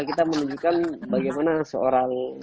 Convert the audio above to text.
kita menunjukan bagaimana seorang